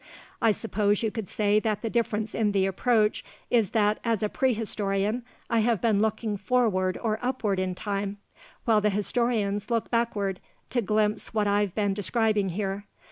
I suppose you could say that the difference in the approach is that as a prehistorian I have been looking forward or upward in time, while the historians look backward to glimpse what I've been describing here.